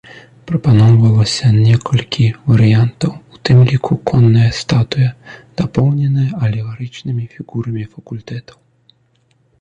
Прапаноўвалася некалькі варыянтаў, у тым ліку конная статуя дапоўненая алегарычнымі фігурамі факультэтаў.